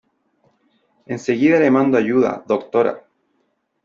enseguida le mando ayuda , doctora .